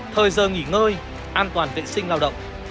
thời giờ nghỉ ngơi an toàn vệ sinh lao động